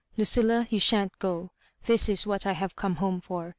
" LuciUa^ you shan't go. This is what I have come home for.